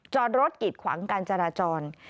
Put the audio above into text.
จอดรถกิดขวางการจราจร